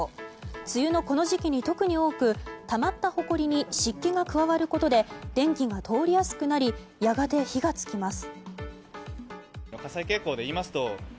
梅雨のこの時期に特に多くたまったほこりに湿気が加わることで電気が通りやすくなりやがて、火が付きます。